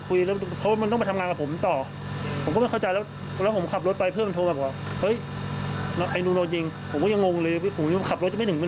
คนเรามันจะพบปืนตลอด๒๔หรือ